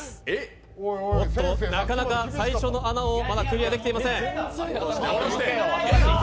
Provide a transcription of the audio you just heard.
なかなか最初の穴をクリアできていません。